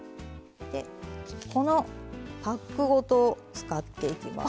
このパックごと使っていきます。